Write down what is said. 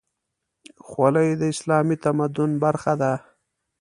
خولۍ د اسلامي تمدن برخه ده.